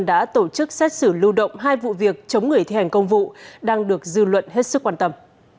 đã tổ chức xét xử lưu động hai vụ việc chống người thi hành công vụ đang được dư luận hết sức quan tâm